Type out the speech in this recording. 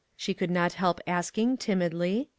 she could not help asking timidly.